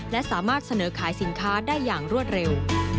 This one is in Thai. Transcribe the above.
และสามารถเสนอขายสินค้าได้อย่างรวดเร็ว